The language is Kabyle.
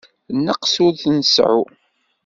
Nneqs ur t-nseεεu.